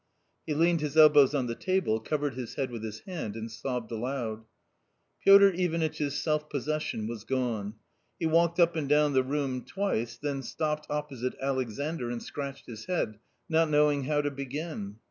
"~""— ^fte leaned his elbows on the table, covered his head with his hand, and sobbed aloud. Piotr Ivanitch's self possession was gone. He walked up and down the room twice, then stopped opposite Alexandr and scratched his head, not knowing how to begin.